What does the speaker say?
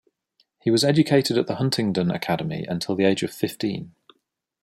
He was educated at the Huntingdon Academy until the age of fifteen.